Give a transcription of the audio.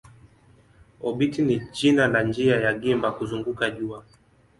Obiti ni jina la njia ya gimba kuzunguka jua.